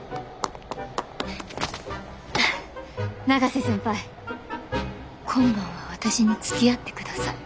永瀬先輩今晩は私につきあってください。